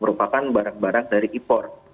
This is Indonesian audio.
merupakan barang barang dari impor